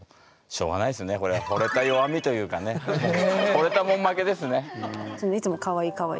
惚れたもん負けですね。